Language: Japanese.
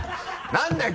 何だよ！